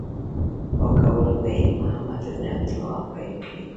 پاکولو بهیر محمد بن عبدالوهاب پیل کړی.